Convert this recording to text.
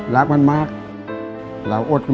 มันต้องการแล้วก็หายให้มัน